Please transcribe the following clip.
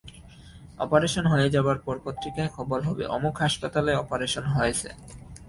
Operation হয়ে যাবার পর পত্রিকায় খবর হবে, অমুক হাসপাতালে অপারেশন হয়েছে।